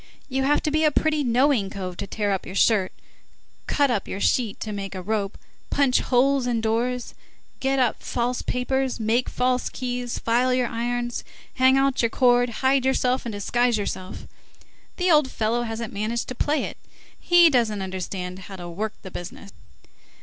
You have to be a pretty knowing cove to tear up your shirt, cut up your sheet to make a rope, punch holes in doors, get up false papers, make false keys, file your irons, hang out your cord, hide yourself, and disguise yourself! The old fellow hasn't managed to play it, he doesn't understand how to work the business."